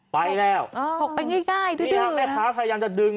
ไปแล้วอ้าวขอกไปง่ายดูดื่อนี่ฮะแม่ค้าพยายามจะดึง